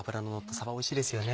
さばおいしいですよね。